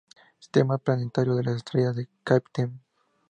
Sistema planetario de la estrella de Kapteyn:.